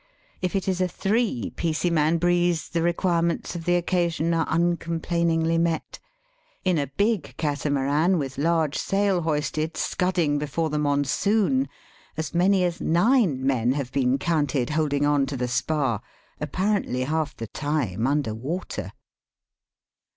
If it is a " three piecey man breeze," the requirements of the occasion are uncomplainingly met. In a big catamaran, with large sail hoisted, scudding before the monsoon, as many as nine men have been counted holding on to the spar, apparently half the time under water.